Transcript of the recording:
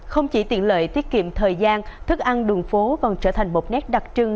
không chỉ tiện lợi tiết kiệm thời gian thức ăn đường phố còn trở thành một nét đặc trưng